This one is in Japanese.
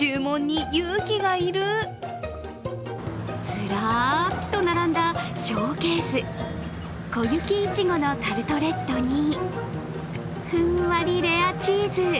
ずらっと並んだショーケース、小雪いちごのタルトレットにふんわりレアチーズ